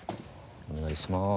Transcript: お願いします。